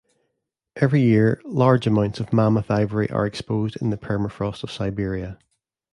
Every year, large amounts of mammoth ivory are exposed in the permafrost of Siberia.